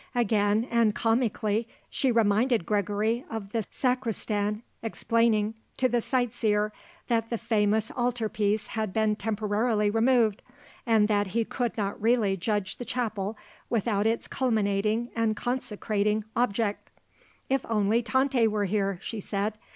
Again, and comically, she reminded Gregory of the sacristan explaining to the sight seer that the famous altar piece had been temporarily removed and that he could not really judge the chapel without its culminating and consecrating object. "If only Tante were here!" she said.